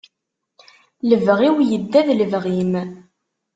Lebɣi-w yedda d lebɣi-m.